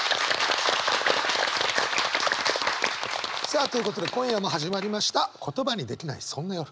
さあということで今夜も始まりました「言葉にできない、そんな夜。」。